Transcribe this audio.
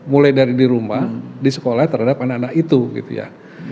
mulai dari di rumah di sekolah terhadap anak anak itu gitu ya